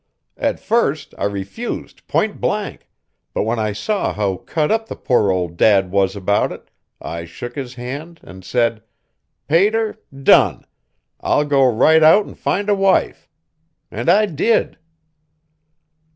At first I refused point blank, but when I saw how cut up the poor old dad was about it I shook his hand and said: 'Pater, done I'll go right out and find a wife.' And I did."